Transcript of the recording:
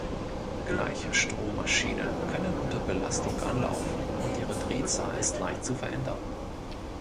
Gleichstrommaschinen können unter Belastung anlaufen, und ihre Drehzahl ist leicht zu verändern.